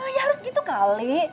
ya harus gitu kali